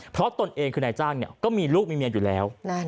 เพราะตนเองคือนายจ้างก็มีลูกมีเมียอยู่แล้ว